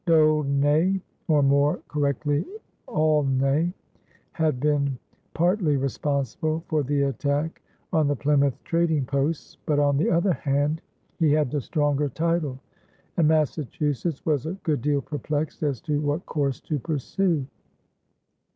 D'Aulnay, or more correctly Aulnay, had been partly responsible for the attack on the Plymouth trading posts, but, on the other hand, he had the stronger title; and Massachusetts was a good deal perplexed as to what course to pursue.